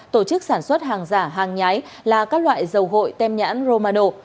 tổ chức sản xuất hàng giả hàng nhái là các loại dầu gội tem nhãn romano